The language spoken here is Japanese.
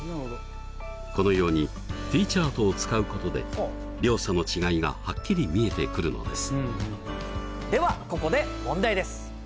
このようにＴチャートを使うことで両者の違いがはっきり見えてくるのです。